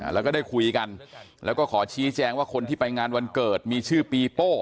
แล้วก็ได้คุยกันแล้วก็ขอชี้แจงว่าคนที่ไปงานวันเกิดมีชื่อปีโป้